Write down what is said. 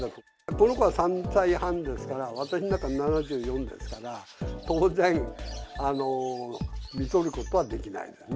この子は３歳半ですから、私なんか７４ですから、当然、みとることはできないですね。